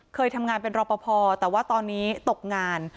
เคยทำงานเป็นรอปภแต่ว่าตอนนี้ตกงาน